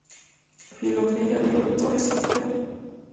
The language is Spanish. La filogenia de Royo-Torres et al.